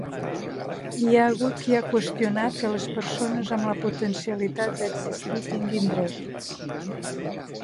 Hi ha hagut qui ha qüestionat que les persones amb la potencialitat d'existir tinguin drets.